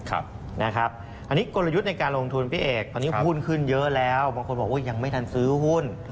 อันนี้กลยุทธ์ในการลงทุนพี่เอกตอนนี้หุ้นขึ้นเยอะแล้วบางคนบอกว่ายังไม่ทันซื้อหุ้น